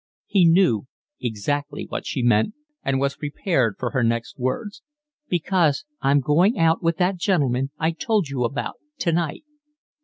He knew exactly what she meant and was prepared for her next words. "Because I'm going out with that gentleman I told you about tonight."